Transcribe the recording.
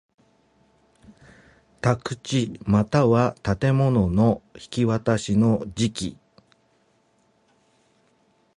宅地又は建物の引渡しの時期